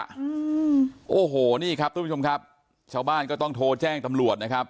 อืมโอ้โหนี่ครับทุกผู้ชมครับชาวบ้านก็ต้องโทรแจ้งตำรวจนะครับ